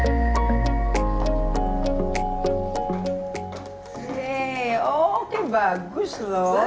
oke oke bagus loh